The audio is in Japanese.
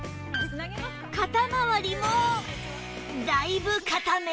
肩まわりもだいぶ硬め